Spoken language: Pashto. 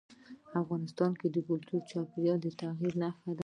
افغانستان کې کلتور د چاپېریال د تغیر نښه ده.